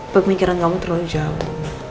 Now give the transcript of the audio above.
pemikiran kamu terlalu jauh